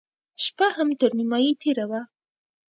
شپه هم تر نيمايي تېره وه.